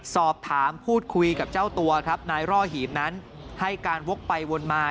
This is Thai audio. สอบถามพูดคุยกับเจ้าตัวครับนายร่อหีบนั้นให้การวกไปวนมา